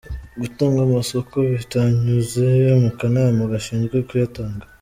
Gutanga amasoko bitanyuze mu kanama gashinzwe kuyatanga;.